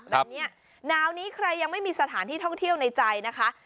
แบบนี้หนาวนี้ใครยังไม่มีสถานที่ท่องเที่ยวในใจนะคะ